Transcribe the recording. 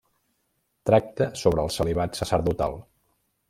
Tracta sobre el celibat sacerdotal.